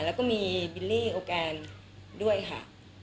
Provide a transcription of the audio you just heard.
แล้วก็มีบิลลี่โอแกนด้วยค่ะ